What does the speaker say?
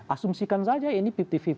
asumsikan saja ini lima puluh lima puluh